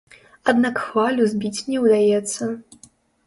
Аднак хвалю збіць не ўдаецца.